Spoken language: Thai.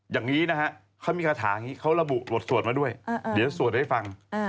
อย่างนี้นะฮะเขามีคาถาอย่างนี้เขาระบุบทสวดมาด้วยเดี๋ยวสวดให้ฟัง